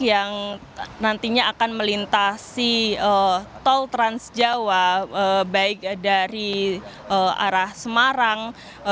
yang nantinya akan melintasi tol transjawa baik dari arah semarang